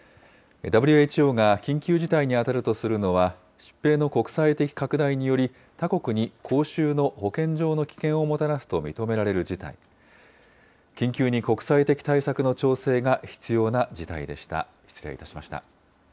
ＷＨＯが緊急事態に当たるとするのは、疾病の国際的拡大により、他国に公衆の保健上の危険をもたらすと認められる事態、緊急に国際的対策の調整が必要な事態でした。